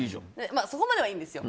そこまではいいんですよ。